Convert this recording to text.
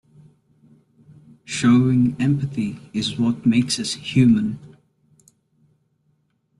Showing empathy is what makes us human.